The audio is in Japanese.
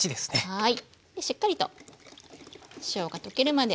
はい。